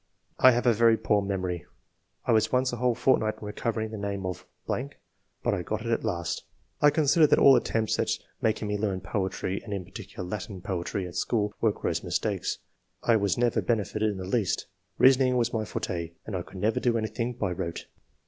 "I have a very poor memory; I was once a whole fortnight in recovering the name of ...., but I got it at last. I consider that "•• inaldn£r me learn poetrv. and in II.] QUALITIES. 121 « particular Latin poetry [at school] were gross mistakes ; I was never benefited in the least. Reasoning was my forte, and I could never do anything by rote."